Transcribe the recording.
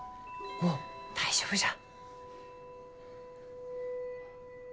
もう大丈夫じゃ。